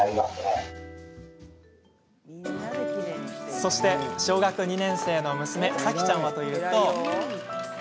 そして小学２年生の娘咲希ちゃんはというと。